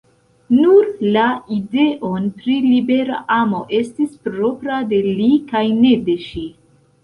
Nur la ideon pri libera amo estis propra de li kaj ne de ŝi.